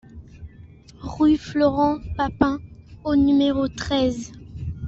Rue Florent Papin au numéro treize